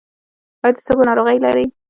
ایا د سږو ناروغي لرئ؟